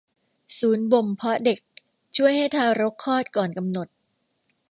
ศูนย์บ่มเพาะเด็กช่วยให้ทารกคลอดก่อนกำหนด